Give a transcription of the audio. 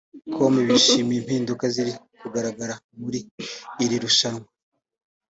com bishimiye impinduka ziri kugaragara muri iri rushanwa